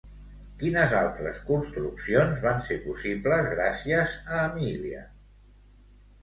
Quines altres construccions van ser possibles gràcies a Emília?